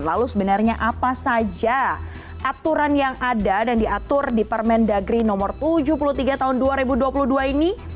lalu sebenarnya apa saja aturan yang ada dan diatur di permendagri no tujuh puluh tiga tahun dua ribu dua puluh dua ini